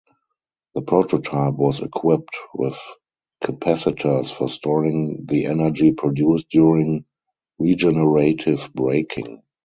The prototype was equipped with capacitors for storing the energy produced during regenerative braking.